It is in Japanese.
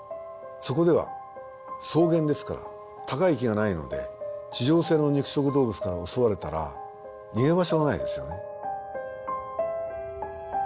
そこでは草原ですから高い木がないので地上性の肉食動物から襲われたら逃げ場所がないですよね。